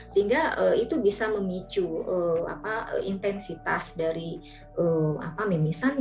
sehingga itu bisa memicu intensitas dari mimisan